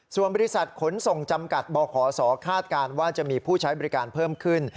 ส่วนบริษัทขนส่งจำกัดบขศคาดการณ์ว่าจะมีผู้ใช้บริการเพิ่มขึ้น